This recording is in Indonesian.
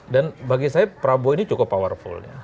dan bagi saya prabowo ini cukup powerful